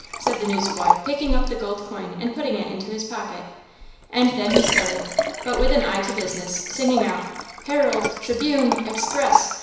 said the newsboy, picking up the gold coin and putting it into his pocket. And then he started, but with an eye to business, singing out: "Herald! Triebune! Express!